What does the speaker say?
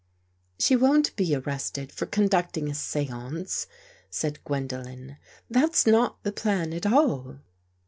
" She won't be arrested for conducting a seance," said Gwendolen. " That's not the plan at all."